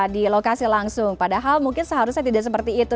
di lokasi langsung padahal mungkin seharusnya tidak seperti itu